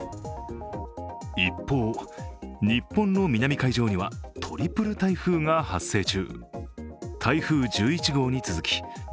一方、日本の南海上にはトリプル台風が発生中。